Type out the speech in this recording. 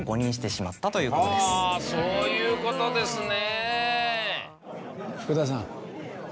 そういうことですね。